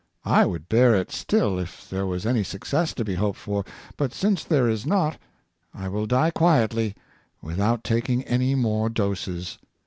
I would bear it still if there was any success to be hoped for; but since there is not, I will die quietly, without taking any more doses.